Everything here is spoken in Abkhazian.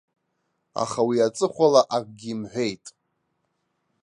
Аха уи аҵыхәала акгьы имҳәеит.